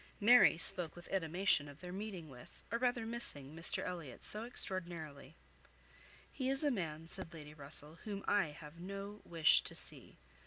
Mary spoke with animation of their meeting with, or rather missing, Mr Elliot so extraordinarily. "He is a man," said Lady Russell, "whom I have no wish to see.